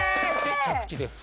着地です。